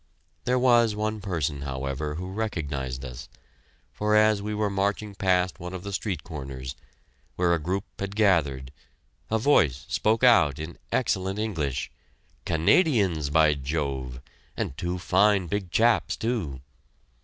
There was one person, however, who recognized us, for as we were marching past one of the street corners, where a group had gathered, a voice spoke out in excellent English, "Canadians, by Jove! And two fine big chaps, too!"